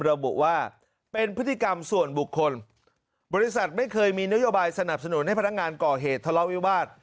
ระบุว่าเป็นพฤติกรรมส่วนบุคคลบริษัทไม่เคยมีนโยบายสนับสนุนให้พนักงานก่อเหตุทะเลาะวิวาส